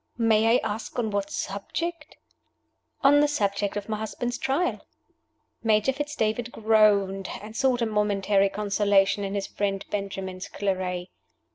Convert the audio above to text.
"May I ask on what subject?" "On the subject of my husband's Trial." Major Fitz David groaned, and sought a momentary consolation in his friend Benjamin's claret.